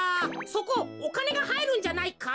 そこおかねがはいるんじゃないか？